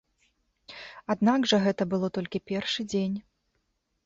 Аднак жа гэта было толькі першы дзень.